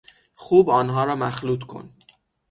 خوب آنها را مخلوط کن